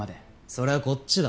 それはこっちだ。